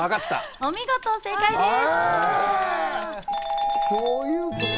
お見事、正解です。